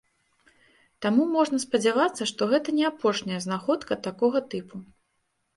Таму можна спадзявацца, што гэта не апошняя знаходка такога тыпу.